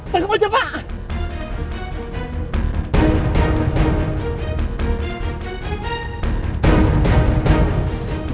tangkap aja pak